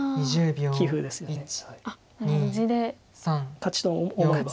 勝ちと思えば。